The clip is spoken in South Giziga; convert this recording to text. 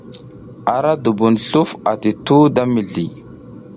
Ara dubun sluf ati tuhu da mizliy.